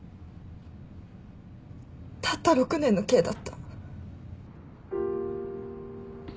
たった６年の刑だった。